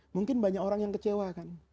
mungkin banyak orang yang kecewa kan